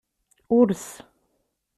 Urss